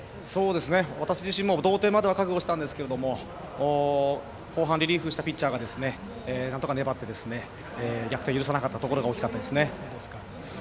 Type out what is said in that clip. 私自身も、同点までは覚悟したんですけれども後半リリーフしたピッチャーがなんとか粘って逆転を許さなかったところが大きかったですね。